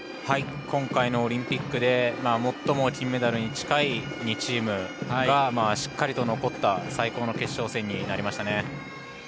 今回のオリンピックで最も金メダルに近い２チームがしっかりと残った最高の決勝戦になりましたね。